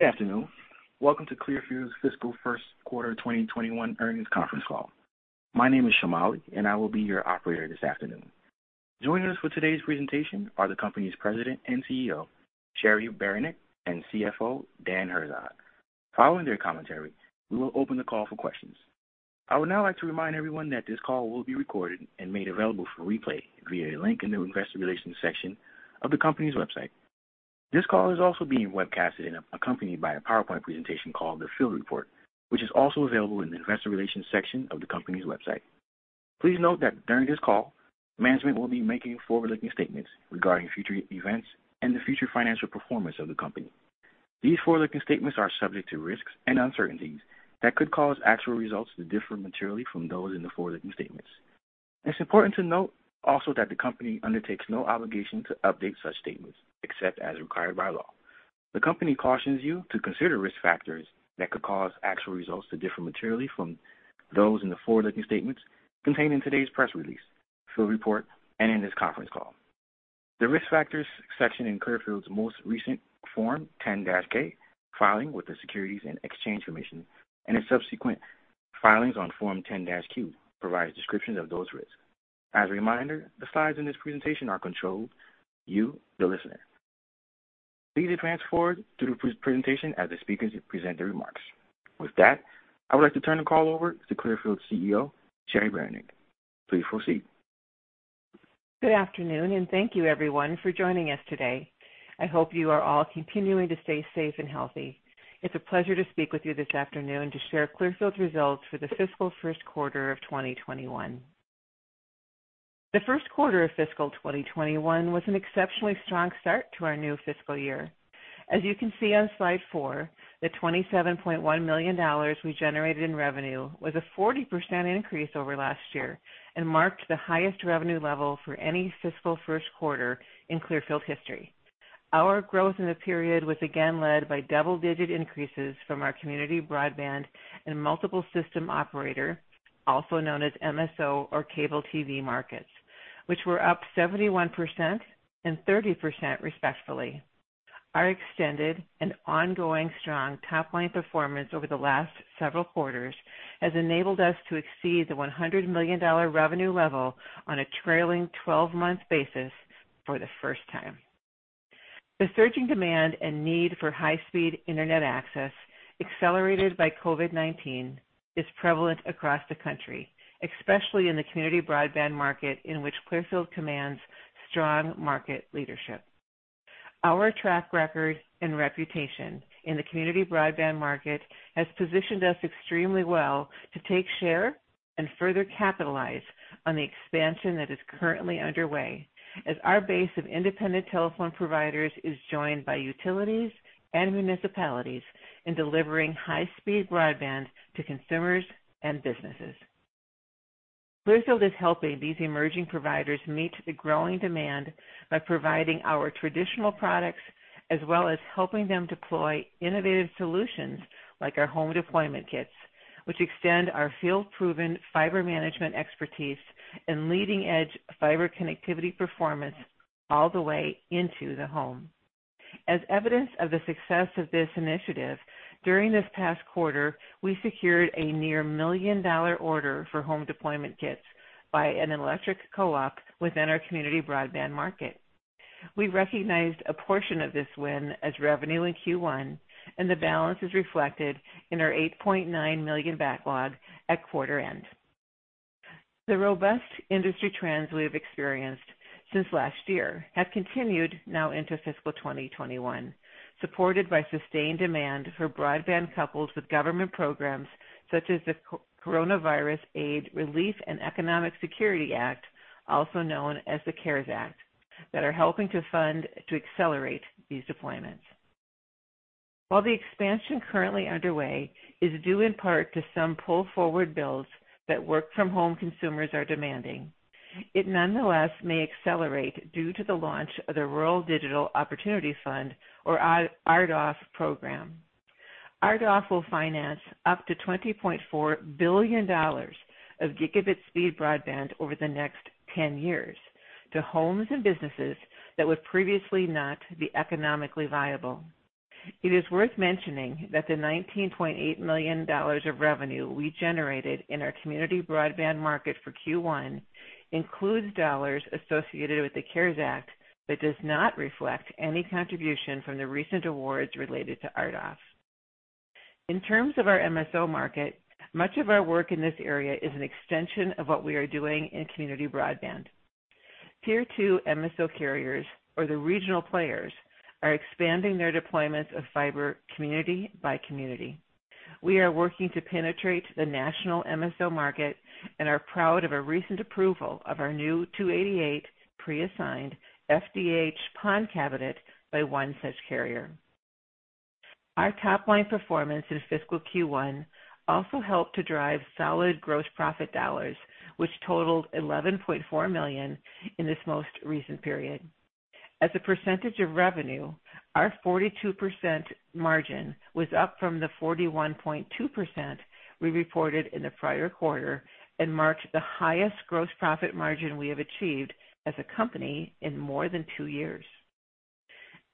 Good afternoon. Welcome to Clearfield's Fiscal First Quarter 2021 Earnings Conference Call. My name is Shamali, and I will be your operator this afternoon. Joining us for today's presentation are the company's president and CEO, Cheri Beranek, and CFO, Dan Herzog. Following their commentary, we will open the call for questions. I would now like to remind everyone that this call will be recorded and made available for replay via a link in the investor relations section of the company's website. This call is also being webcasted and accompanied by a PowerPoint presentation called the Field Report, which is also available in the investor relations section of the company's website. Please note that during this call, management will be making forward-looking statements regarding future events and the future financial performance of the company. These forward-looking statements are subject to risks and uncertainties that could cause actual results to differ materially from those in the forward-looking statements. It's important to note also that the company undertakes no obligation to update such statements, except as required by law. The company cautions you to consider risk factors that could cause actual results to differ materially from those in the forward-looking statements contained in today's press release, Field Report, and in this conference call. The Risk Factors section in Clearfield's most recent Form 10-K filing with the Securities and Exchange Commission and in subsequent filings on Form 10-Q provides descriptions of those risks. As a reminder, the slides in this presentation are controlled, you, the listener. Please advance forward through the presentation as the speakers present their remarks. With that, I would like to turn the call over to Clearfield CEO, Cheri Beranek. Please proceed. Good afternoon, and thank you everyone for joining us today. I hope you are all continuing to stay safe and healthy. It's a pleasure to speak with you this afternoon to share Clearfield's results for the fiscal first quarter of 2021. The first quarter of fiscal 2021 was an exceptionally strong start to our new fiscal year. As you can see on slide four, the $27.1 million we generated in revenue was a 40% increase over last year and marked the highest revenue level for any fiscal first quarter in Clearfield history. Our growth in the period was again led by double-digit increases from our community broadband and multiple system operator, also known as MSO or cable TV markets, which were up 71% and 30% respectively. Our extended and ongoing strong top-line performance over the last several quarters has enabled us to exceed the $100 million revenue level on a trailing 12-month basis for the first time. The surging demand and need for high-speed internet access accelerated by COVID-19 is prevalent across the country, especially in the community broadband market in which Clearfield commands strong market leadership. Our track record and reputation in the community broadband market has positioned us extremely well to take share and further capitalize on the expansion that is currently underway as our base of independent telephone providers is joined by utilities and municipalities in delivering high-speed broadband to consumers and businesses. Clearfield is helping these emerging providers meet the growing demand by providing our traditional products, as well as helping them deploy innovative solutions like our Home Deployment Kits, which extend our field-proven fiber management expertise and leading-edge fiber connectivity performance all the way into the home. As evidence of the success of this initiative, during this past quarter, we secured a near $1 million order for Home Deployment Kits by an electric co-op within our community broadband market. We recognized a portion of this win as revenue in Q1, and the balance is reflected in our $8.9 million backlog at quarter end. The robust industry trends we have experienced since last year have continued now into fiscal 2021, supported by sustained demand for broadband coupled with government programs such as the Coronavirus Aid, Relief, and Economic Security Act, also known as the CARES Act, that are helping to fund to accelerate these deployments. While the expansion currently underway is due in part to some pull forward builds that work-from-home consumers are demanding, it nonetheless may accelerate due to the launch of the Rural Digital Opportunity Fund, or RDOF program. RDOF will finance up to $20.4 billion of gigabit-speed broadband over the next 10 years to homes and businesses that would previously not be economically viable. It is worth mentioning that the $19.8 million of revenue we generated in our community broadband market for Q1 includes dollars associated with the CARES Act but does not reflect any contribution from the recent awards related to RDOF. In terms of our MSO market, much of our work in this area is an extension of what we are doing in community broadband. Tier 2 MSO carriers or the regional players are expanding their deployments of fiber community by community. We are working to penetrate the national MSO market and are proud of a recent approval of our new 288 pre-assigned FDH PON cabinet by one such carrier. Our top-line performance in fiscal Q1 also helped to drive solid gross profit dollars, which totaled $11.4 million in this most recent period. As a percentage of revenue, our 42% margin was up from the 41.2% we reported in the prior quarter and marked the highest gross profit margin we have achieved as a company in more than two years.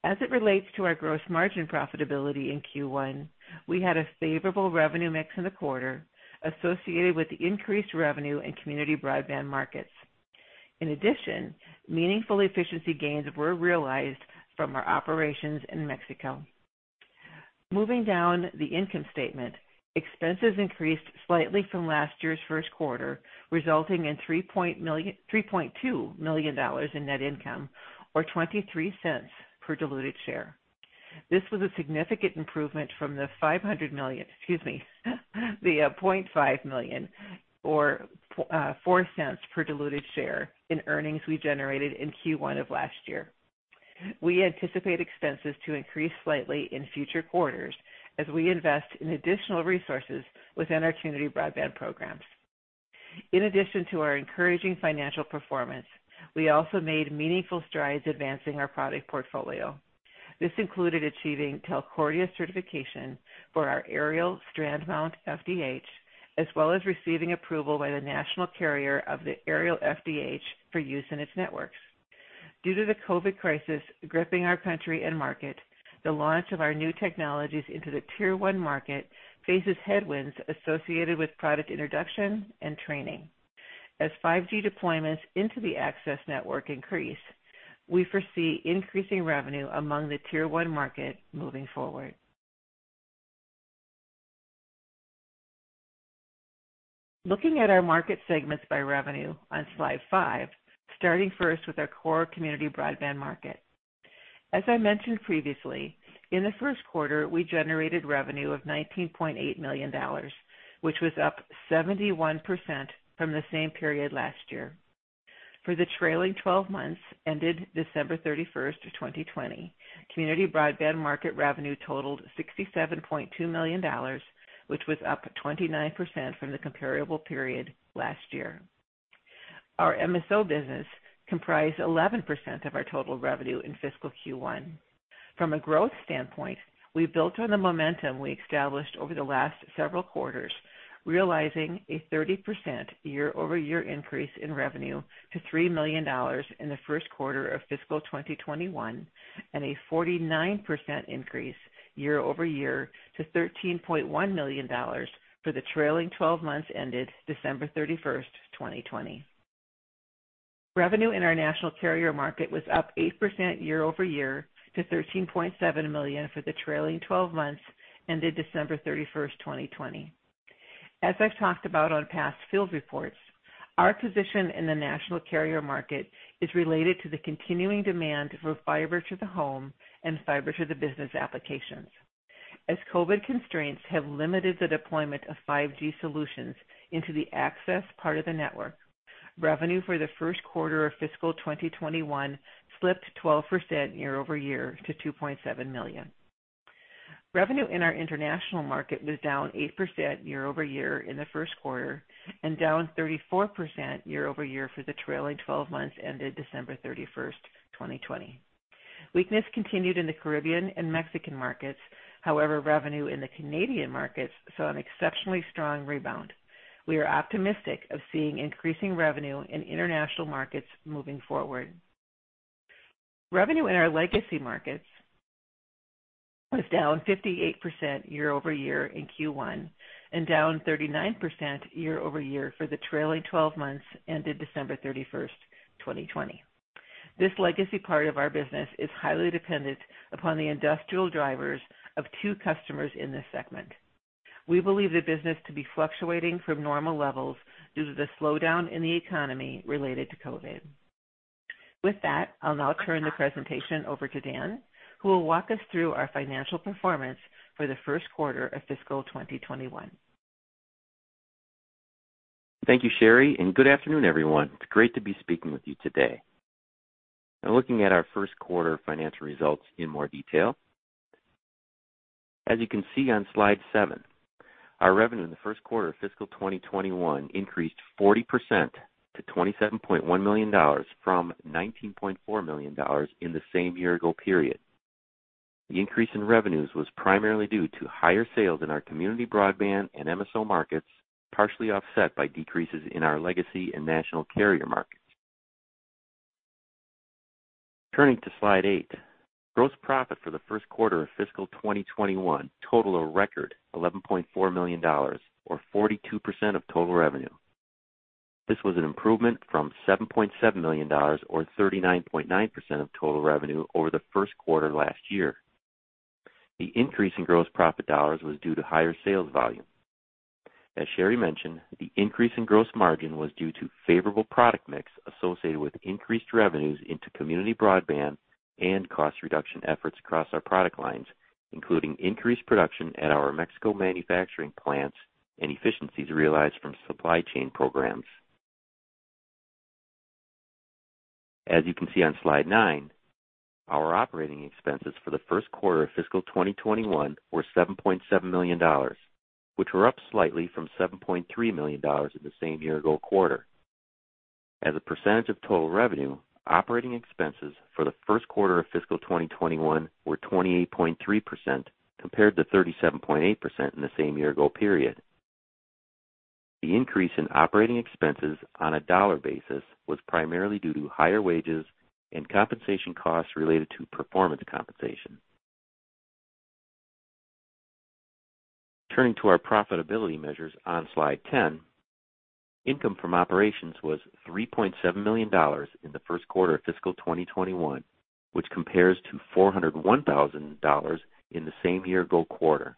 As it relates to our gross margin profitability in Q1, we had a favorable revenue mix in the quarter associated with the increased revenue in community broadband markets. In addition, meaningful efficiency gains were realized from our operations in Mexico. Moving down the income statement, expenses increased slightly from last year's first quarter, resulting in $3.2 million in net income, or $0.23 per diluted share. This was a significant improvement from the excuse me, the $500,000, or $0.04 per diluted share in earnings we generated in Q1 of last year. We anticipate expenses to increase slightly in future quarters as we invest in additional resources within our community broadband programs. In addition to our encouraging financial performance, we also made meaningful strides advancing our product portfolio. This included achieving Telcordia certification for our Aerial Strand-mount FDH, as well as receiving approval by the national carrier of the aerial FDH for use in its networks. Due to the COVID-19 crisis gripping our country and market, the launch of our new technologies into the tier 1 market faces headwinds associated with product introduction and training. As 5G deployments into the access network increase, we foresee increasing revenue among the tier 1 market moving forward. Looking at our market segments by revenue on slide five, starting first with our core community broadband market. As I mentioned previously, in the first quarter, we generated revenue of $19.8 million, which was up 71% from the same period last year. For the trailing 12 months ended December 31st of 2020, community broadband market revenue totaled $67.2 million, which was up 29% from the comparable period last year. Our MSO business comprised 11% of our total revenue in fiscal Q1. From a growth standpoint, we built on the momentum we established over the last several quarters, realizing a 30% year-over-year increase in revenue to $3 million in the first quarter of fiscal 2021, and a 49% increase year-over-year to $13.1 million for the trailing 12 months ended December 31st, 2020. Revenue in our national carrier market was up 8% year-over-year to $13.7 million for the trailing 12 months ended December 31st, 2020. As I've talked about on past Field Report, our position in the national carrier market is related to the continuing demand for fiber to the home and fiber to the business applications. As COVID-19 constraints have limited the deployment of 5G solutions into the access part of the network, revenue for the first quarter of fiscal 2021 slipped 12% year-over-year to $2.7 million. Revenue in our international market was down 8% year-over-year in the first quarter and down 34% year-over-year for the trailing 12 months ended December 31st, 2020. Weakness continued in the Caribbean and Mexican markets. However, revenue in the Canadian markets saw an exceptionally strong rebound. We are optimistic of seeing increasing revenue in international markets moving forward. Revenue in our legacy markets was down 58% year-over-year in Q1 and down 39% year-over-year for the trailing 12 months ended December 31st, 2020. This legacy part of our business is highly dependent upon the industrial drivers of two customers in this segment. We believe the business to be fluctuating from normal levels due to the slowdown in the economy related to COVID-19. With that, I'll now turn the presentation over to Dan, who will walk us through our financial performance for the first quarter of fiscal 2021. Thank you, Cheri, good afternoon, everyone. It's great to be speaking with you today. Looking at our first quarter financial results in more detail. As you can see on slide seven, our revenue in the first quarter of fiscal 2021 increased 40% to $27.1 million from $19.4 million in the same year-ago period. The increase in revenues was primarily due to higher sales in our community broadband and MSO markets, partially offset by decreases in our legacy and national carrier markets. Turning to slide eight, gross profit for the first quarter of fiscal 2021 totaled a record $11.4 million, or 42% of total revenue. This was an improvement from $7.7 million or 39.9% of total revenue over the first quarter last year. The increase in gross profit dollars was due to higher sales volume. As Cheri mentioned, the increase in gross margin was due to favorable product mix associated with increased revenues into community broadband and cost reduction efforts across our product lines, including increased production at our Mexico manufacturing plants and efficiencies realized from supply chain programs. As you can see on slide nine, our operating expenses for the first quarter of fiscal 2021 were $7.7 million, which were up slightly from $7.3 million in the same year-ago quarter. As a percentage of total revenue, operating expenses for the first quarter of fiscal 2021 were 28.3% compared to 37.8% in the same year-ago period. The increase in operating expenses on a dollar basis was primarily due to higher wages and compensation costs related to performance compensation. Turning to our profitability measures on slide 10, income from operations was $3.7 million in the first quarter of fiscal 2021, which compares to $401,000 in the same year-ago quarter.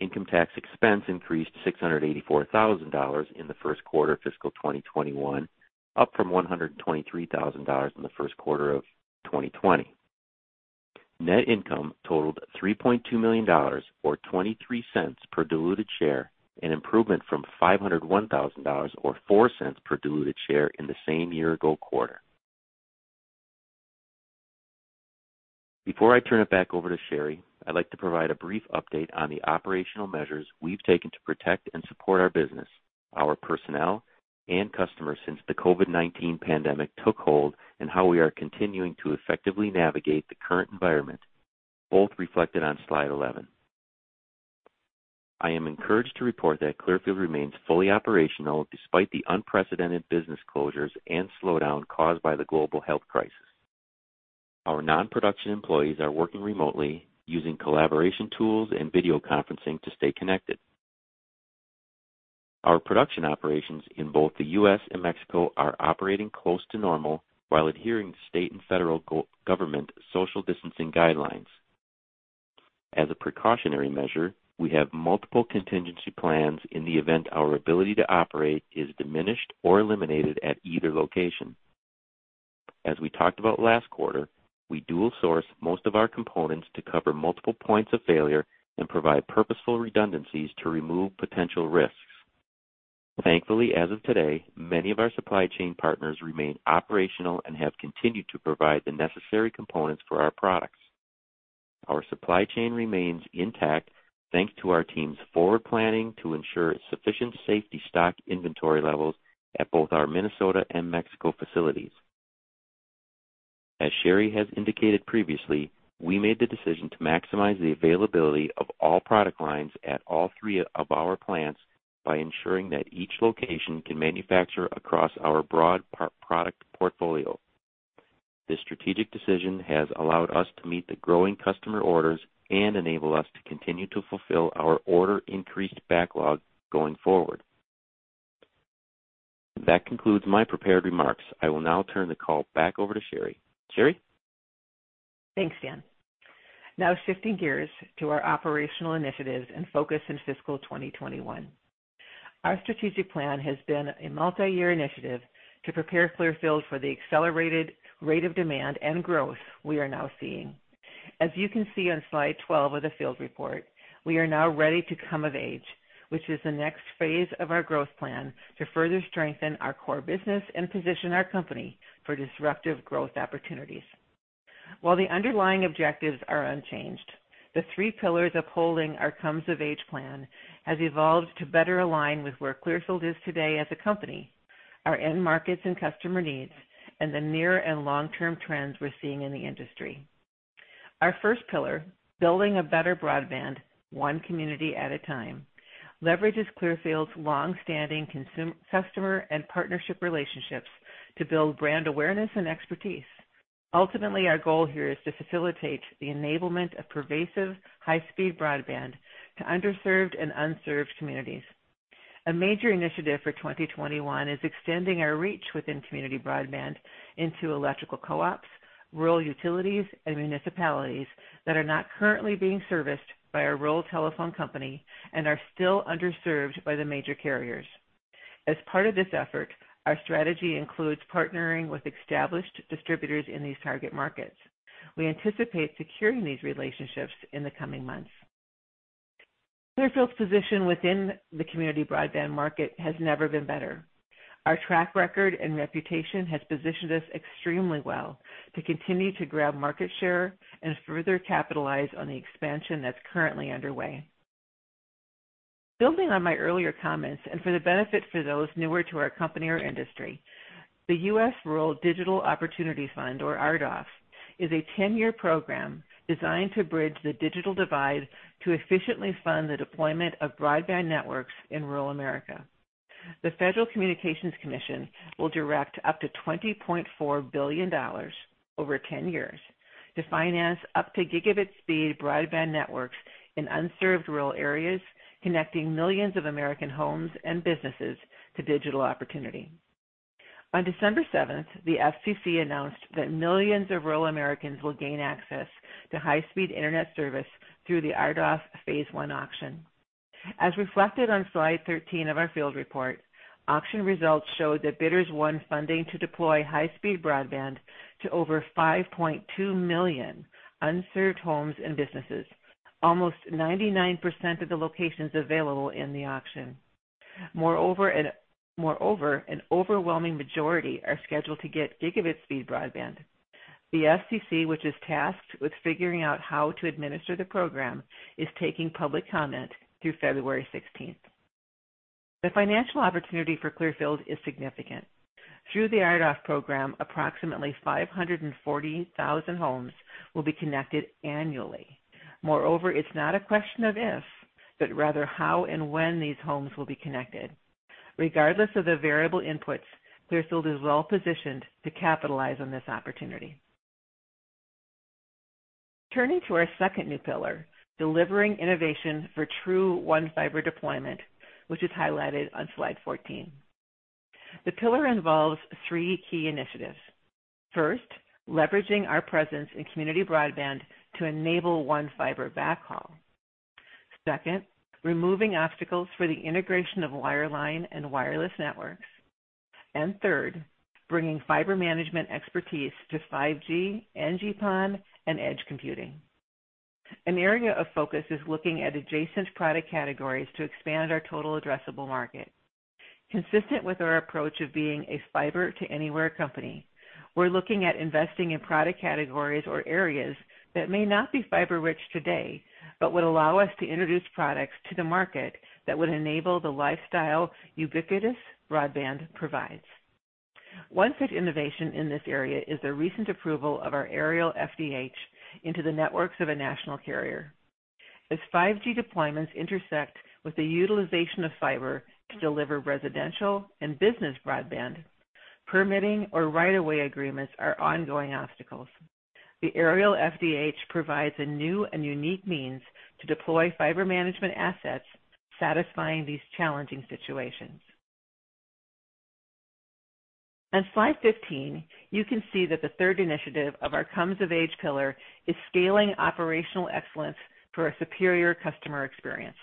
Income tax expense increased to $684,000 in the first quarter of fiscal 2021, up from $123,000 in the first quarter of 2020. Net income totaled $3.2 million, or $0.23 per diluted share, an improvement from $501,000, or $0.04 per diluted share in the same year-ago quarter. Before I turn it back over to Cheri, I'd like to provide a brief update on the operational measures we've taken to protect and support our business, our personnel, and customers since the COVID-19 pandemic took hold, and how we are continuing to effectively navigate the current environment, both reflected on slide 11. I am encouraged to report that Clearfield remains fully operational despite the unprecedented business closures and slowdown caused by the global health crisis. Our non-production employees are working remotely using collaboration tools and video conferencing to stay connected. Our production operations in both the U.S. and Mexico are operating close to normal while adhering to state and federal government social distancing guidelines. As a precautionary measure, we have multiple contingency plans in the event our ability to operate is diminished or eliminated at either location. As we talked about last quarter, we dual source most of our components to cover multiple points of failure and provide purposeful redundancies to remove potential risks. Thankfully, as of today, many of our supply chain partners remain operational and have continued to provide the necessary components for our products. Our supply chain remains intact thanks to our team's forward planning to ensure sufficient safety stock inventory levels at both our Minnesota and Mexico facilities. As Cheri has indicated previously, we made the decision to maximize the availability of all product lines at all three of our plants by ensuring that each location can manufacture across our broad product portfolio. This strategic decision has allowed us to meet the growing customer orders and enable us to continue to fulfill our order increased backlog going forward. That concludes my prepared remarks. I will now turn the call back over to Cheri. Cheri? Thanks, Dan. Now shifting gears to our operational initiatives and focus in fiscal 2021. Our strategic plan has been a multi-year initiative to prepare Clearfield for the accelerated rate of demand and growth we are now seeing. As you can see on slide 12 of the Field Report, we are now ready to Comes of Age, which is the next phase of our growth plan to further strengthen our core business and position our company for disruptive growth opportunities. While the underlying objectives are unchanged, the three pillars upholding our Comes of Age plan has evolved to better align with where Clearfield is today as a company, our end markets and customer needs, and the near and long-term trends we're seeing in the industry. Our first pillar, building a better broadband one community at a time, leverages Clearfield's longstanding customer and partnership relationships to build brand awareness and expertise. Ultimately, our goal here is to facilitate the enablement of pervasive high-speed broadband to underserved and unserved communities. A major initiative for 2021 is extending our reach within community broadband into electrical co-ops, rural utilities, and municipalities that are not currently being serviced by a rural telephone company and are still underserved by the major carriers. As part of this effort, our strategy includes partnering with established distributors in these target markets. We anticipate securing these relationships in the coming months. Clearfield's position within the community broadband market has never been better. Our track record and reputation has positioned us extremely well to continue to grab market share and further capitalize on the expansion that's currently underway. Building on my earlier comments and for the benefit for those newer to our company or industry, the U.S. Rural Digital Opportunity Fund, or RDOF, is a 10-year program designed to bridge the digital divide to efficiently fund the deployment of broadband networks in rural America. The Federal Communications Commission will direct up to $20.4 billion over 10 years to finance up to gigabit-speed broadband networks in unserved rural areas, connecting millions of American homes and businesses to digital opportunity. On December 7th, the FCC announced that millions of rural Americans will gain access to high-speed internet service through the RDOF Phase 1 auction. As reflected on slide 13 of our Field Report, auction results showed that bidders won funding to deploy high-speed broadband to over 5.2 million unserved homes and businesses, almost 99% of the locations available in the auction. Moreover, an overwhelming majority are scheduled to get gigabit-speed broadband. The FCC, which is tasked with figuring out how to administer the program, is taking public comment through February 16th. The financial opportunity for Clearfield is significant. Through the RDOF program, approximately 540,000 homes will be connected annually. Moreover, it's not a question of if, but rather how and when these homes will be connected. Regardless of the variable inputs, Clearfield is well-positioned to capitalize on this opportunity. Turning to our second new pillar, delivering innovation for true one fiber deployment, which is highlighted on slide 14. The pillar involves three key initiatives. First, leveraging our presence in community broadband to enable one fiber backhaul. Second, removing obstacles for the integration of wireline and wireless networks. Third, bringing fiber management expertise to 5G, NG-PON, and edge computing. An area of focus is looking at adjacent product categories to expand our total addressable market. Consistent with our approach of being a fiber-to-anywhere company, we're looking at investing in product categories or areas that may not be fiber rich today, but would allow us to introduce products to the market that would enable the lifestyle ubiquitous broadband provides. One such innovation in this area is the recent approval of our aerial FDH into the networks of a national carrier. As 5G deployments intersect with the utilization of fiber to deliver residential and business broadband, permitting or right of way agreements are ongoing obstacles. The aerial FDH provides a new and unique means to deploy fiber management assets, satisfying these challenging situations. On slide 15, you can see that the third initiative of our Comes of Age pillar is scaling operational excellence for a superior customer experience.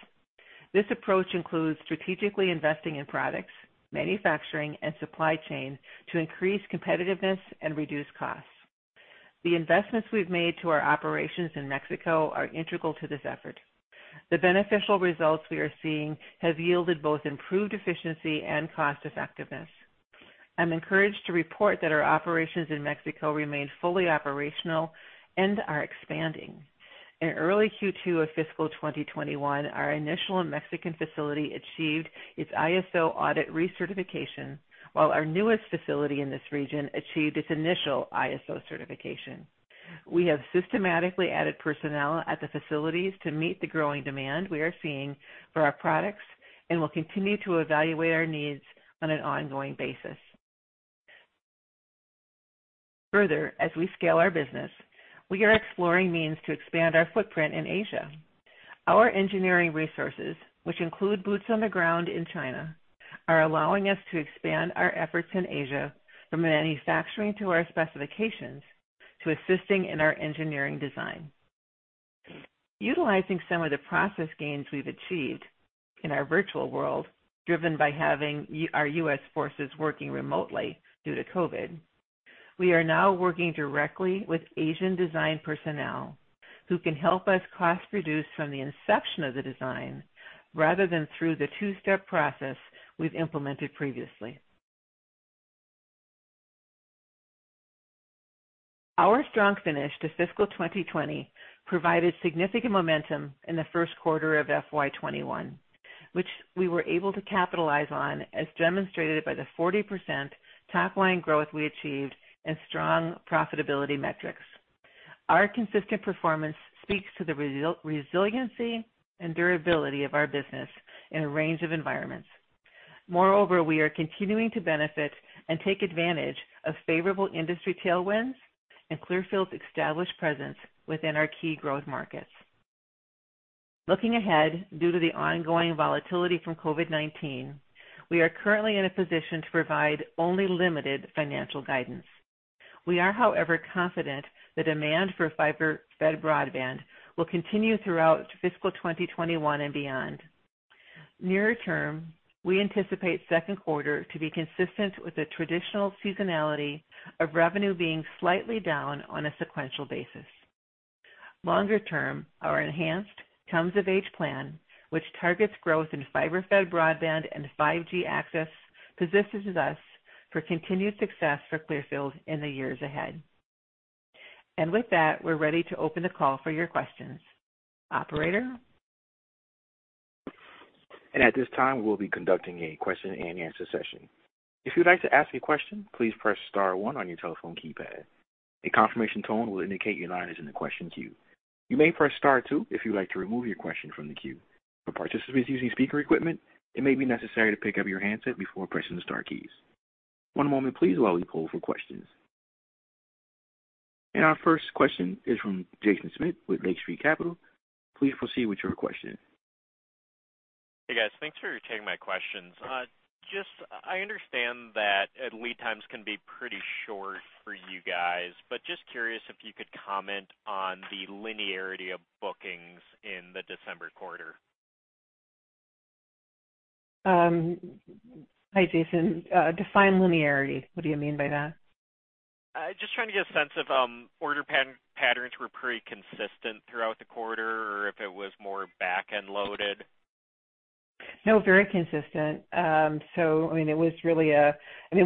This approach includes strategically investing in products, manufacturing, and supply chain to increase competitiveness and reduce costs. The investments we've made to our operations in Mexico are integral to this effort. The beneficial results we are seeing have yielded both improved efficiency and cost effectiveness. I'm encouraged to report that our operations in Mexico remain fully operational and are expanding. In early Q2 of fiscal 2021, our initial Mexican facility achieved its ISO audit recertification, while our newest facility in this region achieved its initial ISO certification. We have systematically added personnel at the facilities to meet the growing demand we are seeing for our products and will continue to evaluate our needs on an ongoing basis. As we scale our business, we are exploring means to expand our footprint in Asia. Our engineering resources, which include boots on the ground in China, are allowing us to expand our efforts in Asia from manufacturing to our specifications to assisting in our engineering design. Utilizing some of the process gains we've achieved in our virtual world, driven by having our U.S. forces working remotely due to COVID-19, we are now working directly with Asian design personnel who can help us cost reduce from the inception of the design, rather than through the two-step process we've implemented previously. Our strong finish to fiscal 2020 provided significant momentum in the first quarter of FY 2021, which we were able to capitalize on, as demonstrated by the 40% top line growth we achieved and strong profitability metrics. Our consistent performance speaks to the resiliency and durability of our business in a range of environments. Moreover, we are continuing to benefit and take advantage of favorable industry tailwinds and Clearfield's established presence within our key growth markets. Looking ahead, due to the ongoing volatility from COVID-19, we are currently in a position to provide only limited financial guidance. We are, however, confident the demand for fiber-fed broadband will continue throughout fiscal 2021 and beyond. Near term, we anticipate second quarter to be consistent with the traditional seasonality of revenue being slightly down on a sequential basis. Longer term, our enhanced Comes of Age plan, which targets growth in fiber-fed broadband and 5G access, positions us for continued success for Clearfield in the years ahead. With that, we're ready to open the call for your questions. Operator? At this time, we'll be conducting a question and answer session. If you'd like to ask a question, please press star one on your telephone keypad. A confirmation tone will indicate your line is in the question queue. You may press star two if you'd like to remove your question from the queue. For participants using speaker equipment, it may be necessary to pick up your handset before pressing the star keys. One moment please while we poll for questions. Our first question is from Jaeson Schmidt with Lake Street Capital. Please proceed with your question. Hey, guys. Thanks for taking my questions. I understand that lead times can be pretty short for you guys. Just curious if you could comment on the linearity of bookings in the December quarter. Hi, Jaeson. Define linearity. What do you mean by that? Just trying to get a sense of order patterns were pretty consistent throughout the quarter, or if it was more back-end loaded. No, very consistent.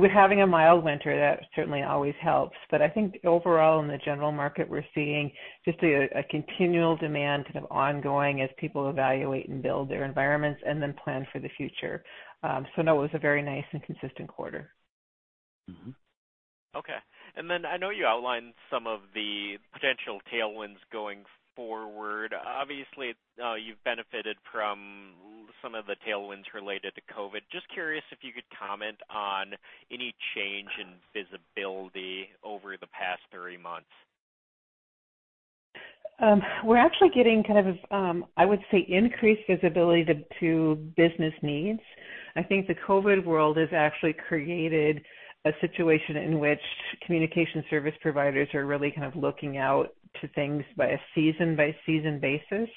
With having a mild winter, that certainly always helps. I think overall in the general market, we're seeing just a continual demand sort of ongoing as people evaluate and build their environments and then plan for the future. No, it was a very nice and consistent quarter. Mm-hmm. Okay. I know you outlined some of the potential tailwinds going forward. Obviously, you've benefited from some of the tailwinds related to COVID. Just curious if you could comment on any change in visibility over the past three months. We're actually getting, I would say, increased visibility to business needs. I think the COVID world has actually created a situation in which communication service providers are really kind of looking out to things by a season-by-season basis,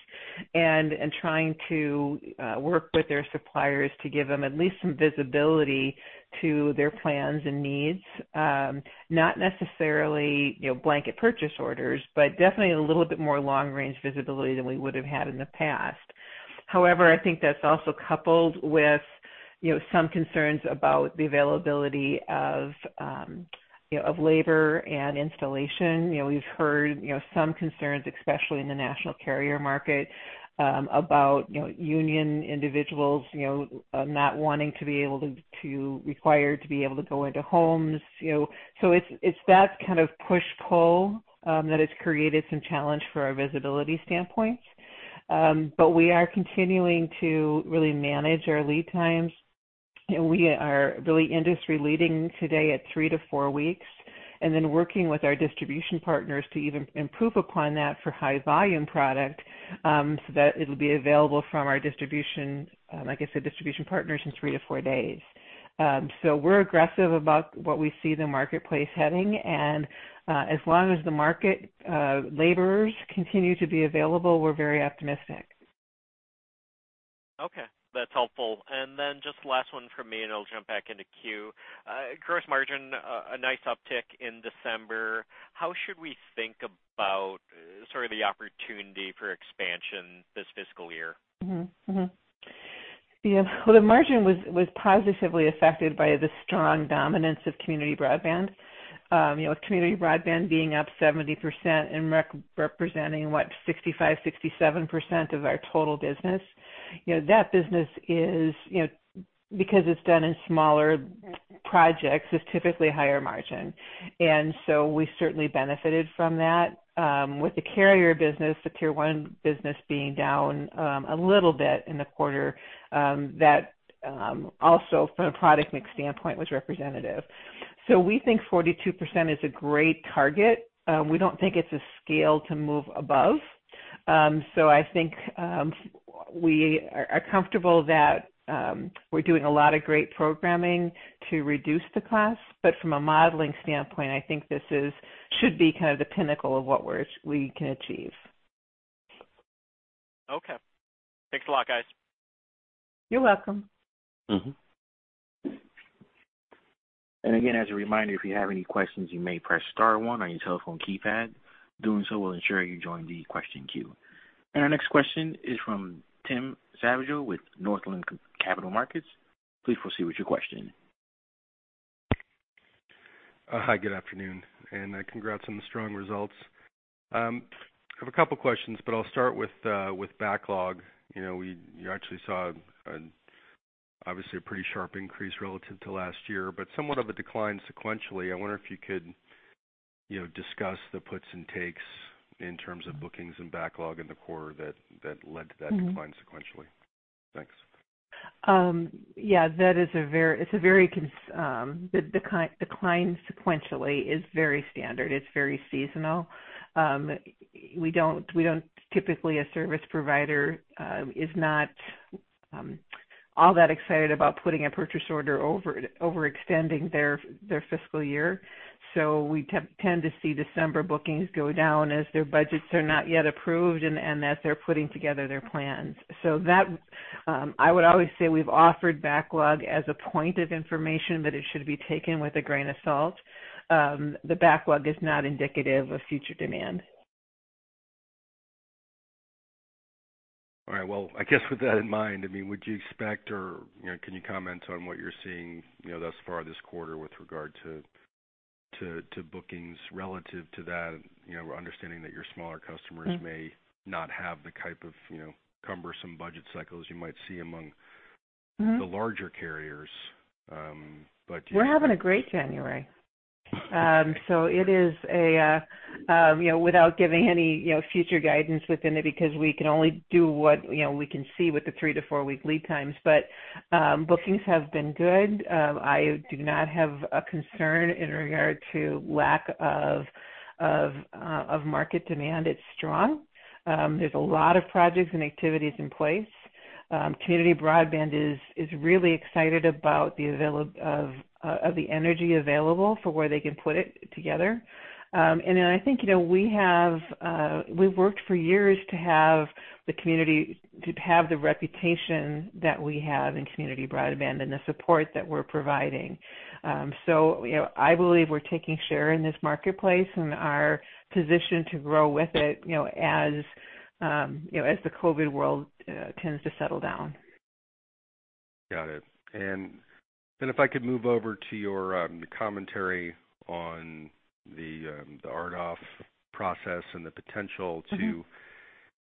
and trying to work with their suppliers to give them at least some visibility to their plans and needs. Not necessarily blanket purchase orders, but definitely a little bit more long-range visibility than we would have had in the past. However, I think that's also coupled with some concerns about the availability of labor and installation. We've heard some concerns, especially in the national carrier market, about union individuals not wanting to be able to require to be able to go into homes. It's that kind of push-pull that has created some challenge for our visibility standpoint. We are continuing to really manage our lead times, and we are really industry-leading today at three to four weeks. Working with our distribution partners to even improve upon that for high-volume product, so that it will be available from our distribution, like I said, distribution partners in three to four days. We are aggressive about what we see the marketplace heading, and as long as the market laborers continue to be available, we are very optimistic. Okay, that's helpful. Just last one from me, and I'll jump back into queue. Gross margin, a nice uptick in December. How should we think about sort of the opportunity for expansion this fiscal year? Mm-hmm. Yeah. Well, the margin was positively affected by the strong dominance of community broadband. With community broadband being up 70% and representing, what, 65%, 67% of our total business. That business is, because it's done in smaller projects, is typically higher margin. We certainly benefited from that. With the carrier business, the Tier 1 business being down a little bit in the quarter, that also from a product mix standpoint, was representative. We think 42% is a great target. We don't think it's a scale to move above. I think we are comfortable that we're doing a lot of great programming to reduce the cost. From a modeling standpoint, I think this should be kind of the pinnacle of what we can achieve. Okay. Thanks a lot, guys. You're welcome. Again, as a reminder, if you have any questions, you may press star one on your telephone keypad. Doing so will ensure you join the question queue. Our next question is from Tim Savageaux with Northland Capital Markets. Please proceed with your question. Hi, good afternoon. Congrats on the strong results. I have a couple questions. I'll start with backlog. You actually saw obviously a pretty sharp increase relative to last year. Somewhat of a decline sequentially. I wonder if you could discuss the puts and takes in terms of bookings and backlog in the quarter that led to that decline sequentially. Thanks. Yeah. The decline sequentially is very standard. It's very seasonal. Typically, a service provider is not all that excited about putting a purchase order overextending their fiscal year. We tend to see December bookings go down as their budgets are not yet approved, and as they're putting together their plans. That, I would always say we've offered backlog as a point of information, but it should be taken with a grain of salt. The backlog is not indicative of future demand. All right. Well, I guess with that in mind, would you expect or can you comment on what you're seeing thus far this quarter with regard to bookings relative to that? Understanding that your smaller customers may not have the type of cumbersome budget cycles you might see among the larger carriers. We're having a great January. It is without giving any future guidance within it, because we can only do what we can see with the three to four-week lead times. Bookings have been good. I do not have a concern in regard to lack of market demand. It's strong. There's a lot of projects and activities in place. Community Broadband is really excited about the energy available for where they can put it together. Then I think we've worked for years to have the reputation that we have in community broadband and the support that we're providing. I believe we're taking share in this marketplace and are positioned to grow with it as the COVID world tends to settle down. Got it. If I could move over to your commentary on the write-off process and the potential to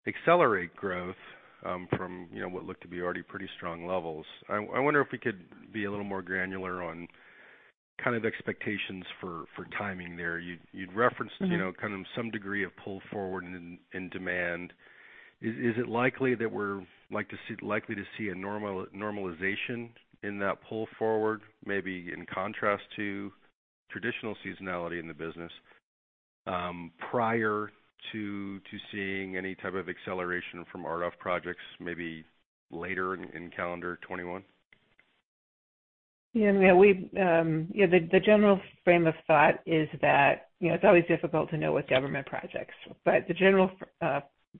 accelerate growth from what looked to be already pretty strong levels. I wonder if we could be a little more granular on expectations for timing there. You'd referenced. some degree of pull forward in demand. Is it likely that we're likely to see a normalization in that pull forward, maybe in contrast to traditional seasonality in the business, prior to seeing any type of acceleration from RDOF projects maybe later in calendar 2021? Yeah. The general frame of thought is that, it's always difficult to know with government projects. The general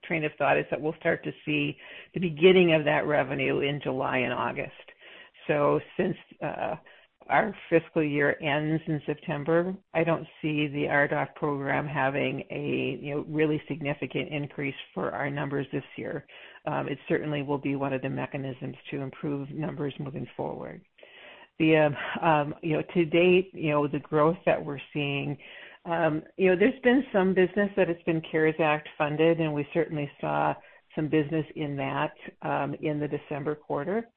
train of thought is that we'll start to see the beginning of that revenue in July and August. Since our fiscal year ends in September, I don't see the RDOF program having a really significant increase for our numbers this year. It certainly will be one of the mechanisms to improve numbers moving forward. To date, the growth that we're seeing, there's been some business that has been CARES Act funded, and we certainly saw some business in that in the December quarter.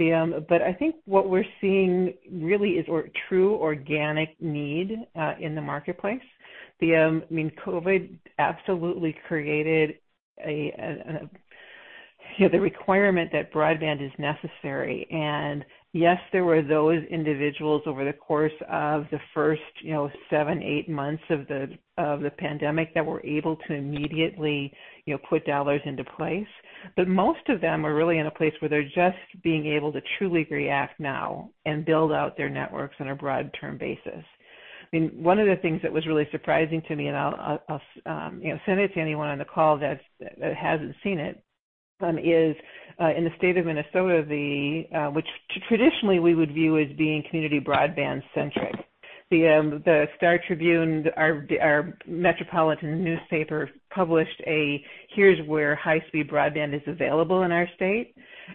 I think what we're seeing really is true organic need in the marketplace. COVID absolutely created the requirement that broadband is necessary. Yes, there were those individuals over the course of the first seven, eight months of the pandemic that were able to immediately put dollars into place. Most of them are really in a place where they're just being able to truly react now and build out their networks on a broad term basis. One of the things that was really surprising to me, and I'll send it to anyone on the call that hasn't seen it, is in the state of Minnesota, which traditionally we would view as being community broadband centric. The Star Tribune, our metropolitan newspaper, published a here's where high-speed broadband is available in our state.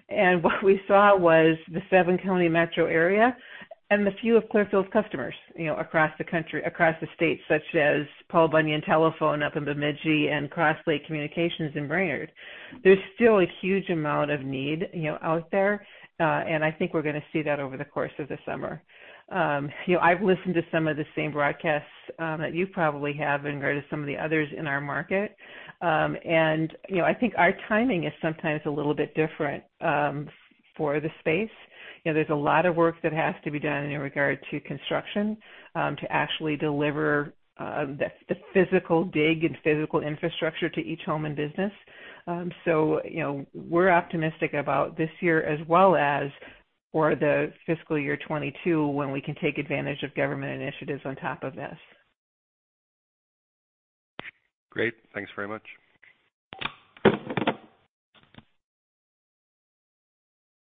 What we saw was the seven county metro area and the few of Clearfield's customers across the state, such as Paul Bunyan Communications up in Bemidji and Crosslake Communications in Brainerd. There's still a huge amount of need out there. I think we're going to see that over the course of the summer. I've listened to some of the same broadcasts that you probably have in regard to some of the others in our market. I think our timing is sometimes a little bit different for the space. There's a lot of work that has to be done in regard to construction to actually deliver the physical dig and physical infrastructure to each home and business. We're optimistic about this year as well as for the fiscal year 2022, when we can take advantage of government initiatives on top of this. Great. Thanks very much.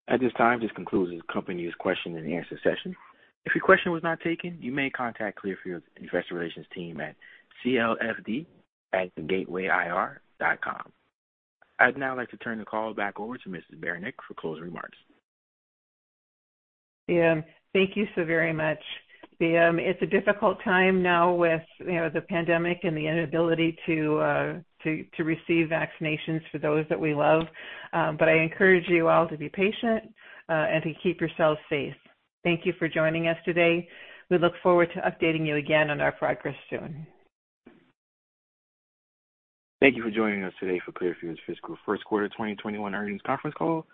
At this time, this concludes the company's question and answer session. If your question was not taken, you may contact Clearfield's investor relations team at CLFD@gatewayir.com. I'd now like to turn the call back over to Mrs. Beranek for closing remarks. Thank you so very much. It's a difficult time now with the pandemic and the inability to receive vaccinations for those that we love. I encourage you all to be patient and to keep yourselves safe. Thank you for joining us today. We look forward to updating you again on our progress soon. Thank you for joining us today for Clearfield's Fiscal First Quarter 2021 Earnings Conference Call.